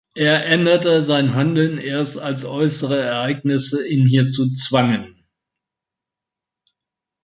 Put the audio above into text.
Er änderte sein Handeln erst, als äußere Ereignisse ihn hierzu zwangen.